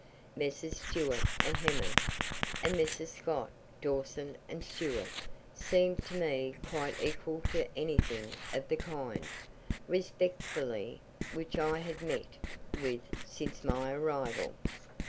Messrs. Stewart and Hemmant, and Messrs. Scott, Dawson and Stewart, seemed to me quite equal to anything of the kind, respectively, which I had met with since my arrival.